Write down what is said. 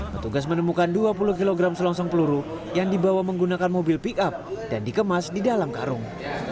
petugas menemukan dua puluh kg selon selon peluru yang dibawa menggunakan mobil pickup dan dikemas di dalam karung